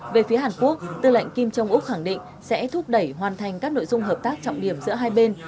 về phía hàn quốc tư lệnh kim trung úc khẳng định sẽ thúc đẩy hoàn thành các nội dung hợp tác trọng điểm giữa hai bên